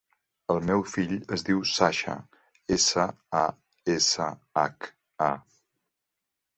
El meu fill es diu Sasha: essa, a, essa, hac, a.